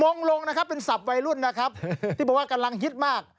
ลงลงนะครับเป็นศัพท์วัยรุ่นนะครับที่บอกว่ากำลังฮิตมาก